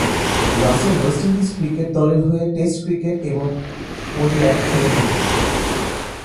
Rasel West Indies cricket দলের হয়ে test cricket এবং ওডিআই খেলে থাকেন।